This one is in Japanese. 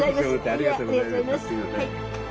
ありがとうございます。